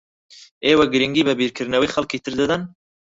ئێوە گرنگی بە بیرکردنەوەی خەڵکی تر دەدەن؟